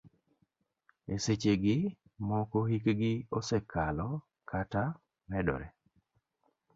E seche gi moko hikgi osekalo kata medore.